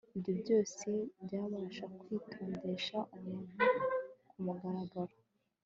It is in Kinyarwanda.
ibyo byose byabasha kwitondesh umuntu ku mugaragaro